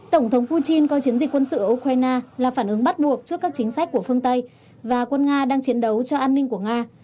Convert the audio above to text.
tổng thống putin coi chiến dịch quân sự ở ukraine là phản ứng bắt buộc trước các chính sách của phương tây và quân nga đang chiến đấu cho an ninh của nga